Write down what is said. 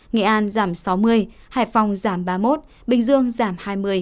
nghệ an giảm sáu mươi hải phòng giảm ba mươi một bình dương giảm hai mươi